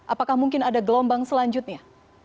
apakah mungkin ada gelombang selanjutnya